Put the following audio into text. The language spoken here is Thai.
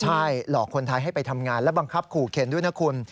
ใช่หลอกคนไทยให้ไปทำงานและบังคับขู่เข็นด้วยนะคุณ